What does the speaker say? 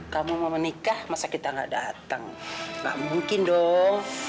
kamu mau menikah masa kita gak datang gak mungkin dong